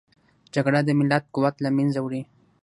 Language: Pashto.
جګړه د ملت قوت له منځه وړي